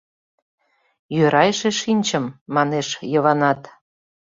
— Йӧра эше шинчым, — манеш Йыванат.